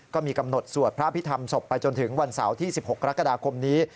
ก็มีกำหนดสวดพระพิธรรมศพไปจนถึงวันเสาร์ที่๑๖กรกฎาคมนี้